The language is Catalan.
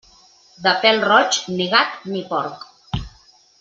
De pèl roig, ni gat, ni porc.